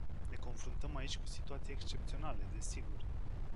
Ne confruntăm aici cu situații excepționale, desigur.